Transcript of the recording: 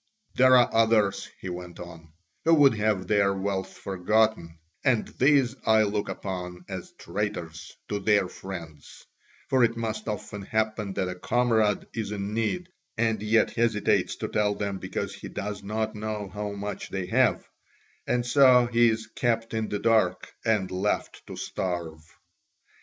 There are others," he went on, "who would have their wealth forgotten, and these I look upon as traitors to their friends: for it must often happen that a comrade is in need and yet hesitates to tell them because he does not know how much they have, and so he is kept in the dark and left to starve.